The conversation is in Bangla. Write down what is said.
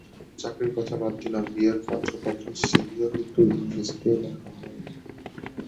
চাকরির কথা বাদ দিলাম, বিয়ের পাত্রপাত্রীর সিভিও কিন্তু ইংরেজিতেই লেখা হয়।